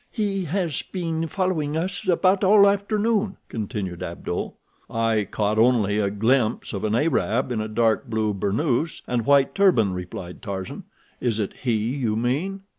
"He has been following us about all afternoon," continued Abdul. "I caught only a glimpse of an Arab in a dark blue burnoose and white turban," replied Tarzan. "Is it he you mean?"